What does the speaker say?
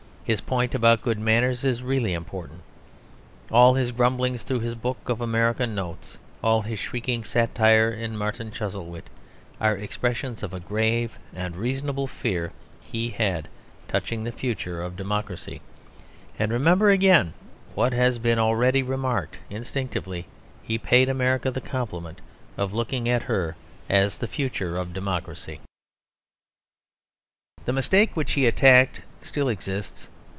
His point about good manners is really important. All his grumblings through this book of American Notes, all his shrieking satire in Martin Chuzzlewit are expressions of a grave and reasonable fear he had touching the future of democracy. And remember again what has been already remarked instinctively he paid America the compliment of looking at her as the future of democracy. The mistake which he attacked still exists.